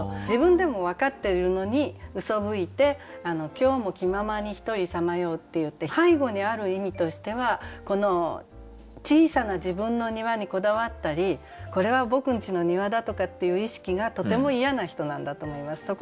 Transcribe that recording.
自分でも分かっているのに「うそぶいて今日も気ままにひとりさまよう」っていって背後にある意味としては小さな自分の庭にこだわったりこれは僕んちの庭だとかっていう意識がとても嫌な人なんだと思います。